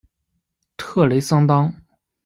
特雷桑当。